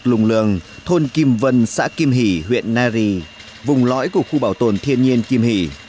lùng lường thôn kim vân xã kim hỷ huyện nari vùng lõi của khu bảo tồn thiên nhiên kim hỷ